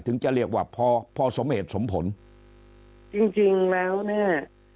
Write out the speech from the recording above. จะเรียกว่าพอพอสมเหตุสมผลจริงจริงแล้วเนี่ย